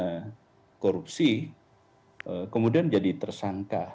karena korupsi kemudian jadi tersangka